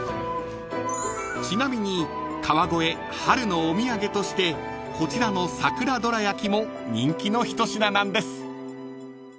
［ちなみに川越春のお土産としてこちらの桜どら焼きも人気の一品なんです］